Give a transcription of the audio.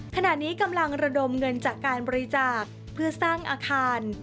ขณะนี้กำลังระดมเงินจากการบริจาคเพื่อสร้างอาคาร